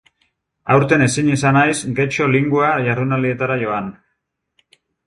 Aurten ezin izan naiz Getxo Linguae jardunaldietara joan.